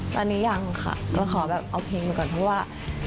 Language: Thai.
ตอนนี้ยังค่ะก็ขอแบบเอาเพลงมาก่อนเพราะว่า